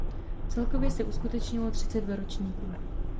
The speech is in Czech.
Celkově se uskutečnilo třicet dva ročníků.